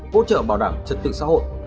hỗ trợ bảo đảm trật tự xã hội